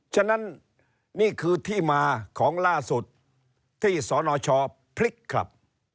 ฉะนั้นนี่คือที่มาของล่าสุดที่สนชพลิกครับ